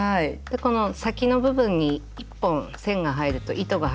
この先の部分に１本線が入ると糸が入るとね